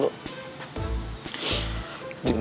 lu gak like ya